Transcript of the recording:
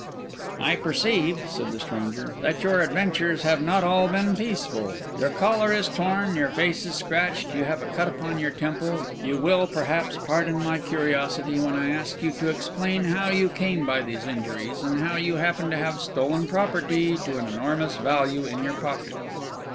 "I perceive," said the stranger, "that your adventures have not all been peaceful. Your collar is torn, your face is scratched, you have a cut upon your temple; you will, perhaps, pardon my curiosity when I ask you to explain how you came by these injuries, and how you happen to have stolen property to an enormous value in your pocket."